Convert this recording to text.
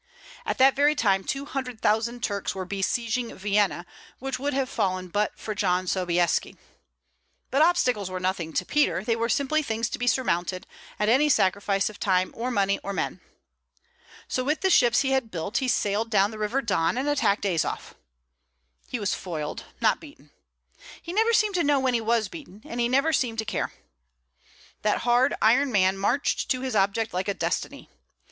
At that very time two hundred thousand Turks were besieging Vienna, which would have fallen but for John Sobieski. But obstacles were nothing to Peter; they were simply things to be surmounted, at any sacrifice of time or money or men. So with the ships he had built he sailed down the River Don and attacked Azof. He was foiled, not beaten. He never seemed to know when he was beaten, and he never seemed to care. That hard, iron man marched to his object like a destiny.